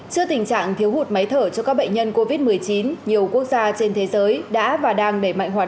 trước tình trạng thiếu hụt máy thở cho các bệnh nhân covid một mươi chín nhiều quốc gia trên thế giới đã và đang để mạnh hoạt